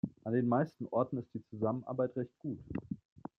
An den meisten Orten ist die Zusammenarbeit recht gut.